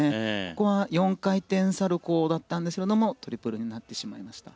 ここは４回転サルコウだったんですけれどもトリプルになってしまいました。